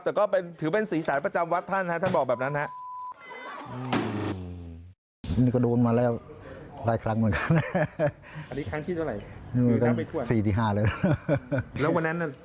แต่ก็ถือเป็นสีสันประจำวัดท่านท่านบอกแบบนั้นครับ